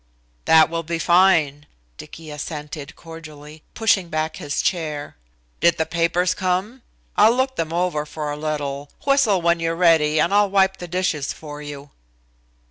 "That will be fine," Dicky assented cordially, pushing back his chair. "Did the papers come? I'll look them over for a little. Whistle when you're ready and I'll wipe the dishes for you."